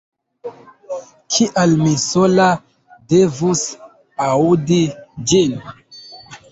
Kial mi sola devus aŭdi ĝin?